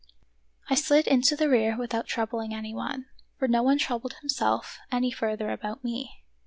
I slid into the rear without troubling any one, for no one troubled himself any further about me.